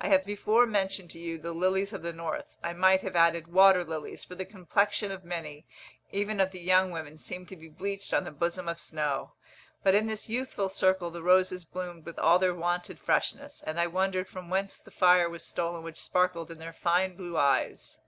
I have before mentioned to you the lilies of the north, I might have added, water lilies, for the complexion of many, even of the young women, seem to be bleached on the bosom of snow. But in this youthful circle the roses bloomed with all their wonted freshness, and I wondered from whence the fire was stolen which sparkled in their fine blue eyes.